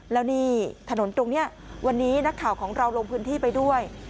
แล้วนี่ถนนตรงนี้วันนี้นักข่าวของเราลงพื้นที่ไปด้วย